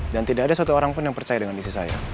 dan tidak ada satu orang pun yang percaya dengan istri saya